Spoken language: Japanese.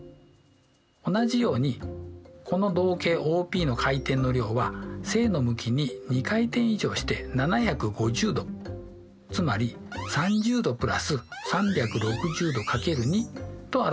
同じようにこの動径ＯＰの回転の量は正の向きに２回転以上して７５０°つまり３０°＋３６０°×２と表すこともできますよね。